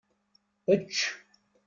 Ečč!